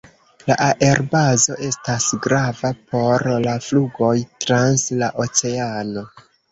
La aerbazo estas grava por la flugoj trans la oceano.